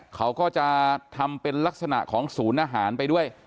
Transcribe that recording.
เขาก็จะทำเป็นลักษณะของศูนย์อาหารไปด้วย